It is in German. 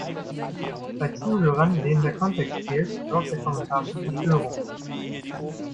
Bei Zuhörern, denen der Kontext fehlt, sorgt der Kommentar für Verstörung.